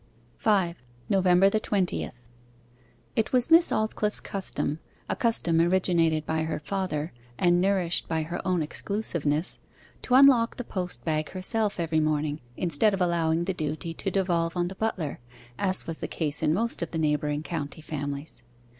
5. NOVEMBER THE TWENTIETH It was Miss Aldclyffe's custom, a custom originated by her father, and nourished by her own exclusiveness, to unlock the post bag herself every morning, instead of allowing the duty to devolve on the butler, as was the case in most of the neighbouring county families.